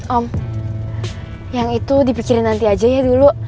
om yang itu dipikirin nanti aja ya dulu